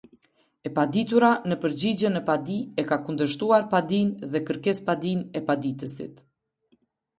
E paditura në përgjigjen në padi e ka kundërshtuar padinë dhe kërkesëpadinë e paditësit.